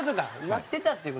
待ってたっていう事。